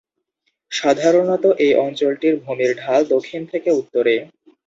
সাধারণত এই অঞ্চলটির ভূমির ঢাল দক্ষিণ থেকে উত্তরে।